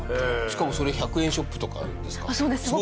しかもそれ１００円ショップとかですか？